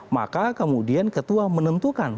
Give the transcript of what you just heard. maka kemudian ketua menentukan